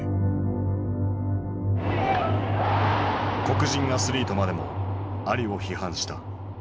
黒人アスリートまでもアリを批判した。